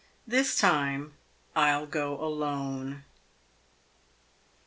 This time I'll go alone."